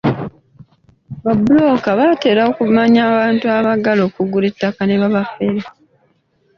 Babbulooka batera okumanya abantu abaagala okugula ettaka ne babafera.